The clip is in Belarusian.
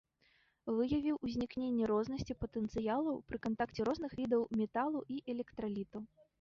Выявіў узнікненне рознасці патэнцыялаў пры кантакце розных відаў металу і электраліту.